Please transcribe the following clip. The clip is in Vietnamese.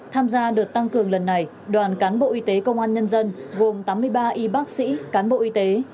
tham gia đợt tăng cường lần này đoàn cán bộ y tế công an nhân dân gồm tám mươi ba y bác sĩ cán bộ y tế